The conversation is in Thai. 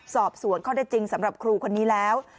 สอบสวนข้อได้จริงสำหรับครูคนนี้แล้ว